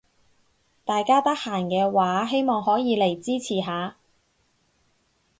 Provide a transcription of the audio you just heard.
大家得閒嘅話希望可以嚟支持下